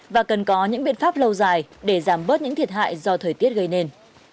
và cần có những biện pháp lâu dài để giảm bớt những thiệt hại do thời tiết gây nên